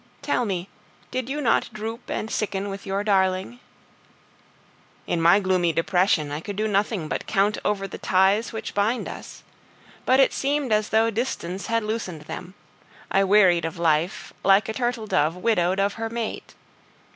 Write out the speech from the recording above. Tell me, did you not droop and sicken with your darling? In my gloomy depression, I could do nothing but count over the ties which bind us. But it seemed as though distance had loosened them; I wearied of life, like a turtle dove widowed of her mate.